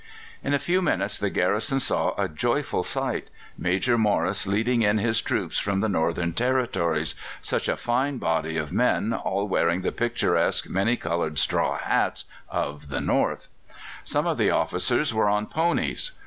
In a few minutes the garrison saw a joyful sight: Major Morris leading in his troops from the northern territories such a fine body of men, all wearing the picturesque many coloured straw hats of the north. Some of the officers were on ponies.